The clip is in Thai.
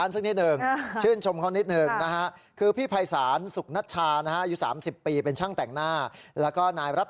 สมกับทีมของเขา